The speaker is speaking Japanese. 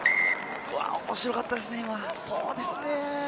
面白かったですね、今。